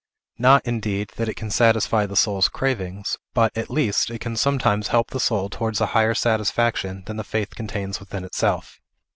Not, indeed, that it can satisfy the soul's cravings, but, at least, it can sometimes help the soul towards a higher satisfaction than the faith contains within itself.